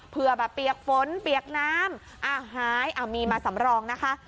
เพื่อแบบเปียกฝนเปียกน้ำหายมีมาสำรองนะคะ